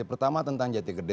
pertama tentang jati gede